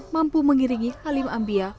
mampu mengiringi halim ambiya